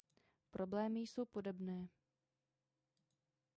Problémy jsou podobné.